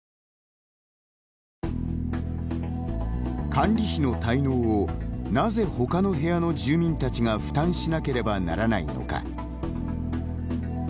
管理費の滞納をなぜ、ほかの部屋の住民たちが負担しなければならないのか。